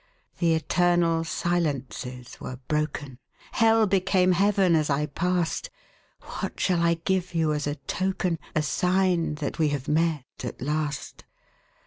The eternal silences were broken; Hell became Heaven as I passed. What shall I give you as a token, A sign that we have met, at last?